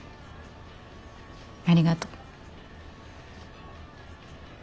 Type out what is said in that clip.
ありがとう。